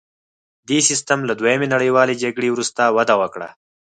دې سیستم له دویمې نړیوالې جګړې وروسته وده وکړه